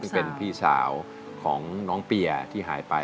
ซึ่งเป็นพี่สาวของน้องเปียที่หายไป